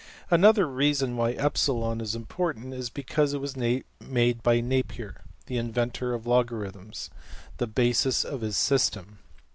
} Another reason why $\epsilon$ is important is because it was made by Napier, the inventor of logarithms, the basis of his system.